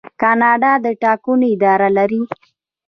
کاناډا د ټاکنو اداره لري.